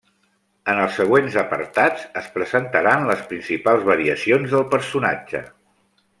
En els següents apartats es presentaran les principals variacions del personatge.